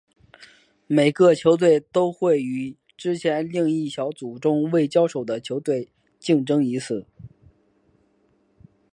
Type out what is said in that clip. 每个球队都会与之前另一小组中未交手的球队竞争一次。